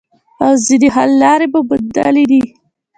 او ځینې حل لارې مو موندلي دي